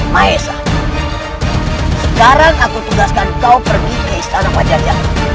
maesah sekarang aku tugaskan kau pergi ke istana pajak pajak